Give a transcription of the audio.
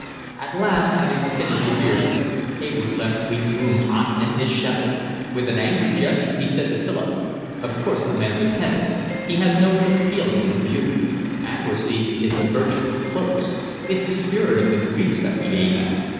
At last, having finished the beer, Hayward left Weeks' room hot and dishevelled; with an angry gesture he said to Philip: "Of course the man's a pedant. He has no real feeling for beauty. Accuracy is the virtue of clerks. It's the spirit of the Greeks that we aim at.